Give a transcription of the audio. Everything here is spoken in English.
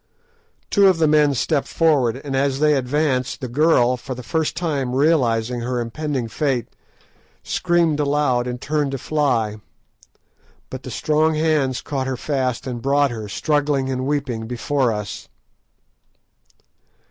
Two of the men stepped forward, and as they advanced, the girl, for the first time realising her impending fate, screamed aloud and turned to fly. But the strong hands caught her fast, and brought her, struggling and weeping, before us.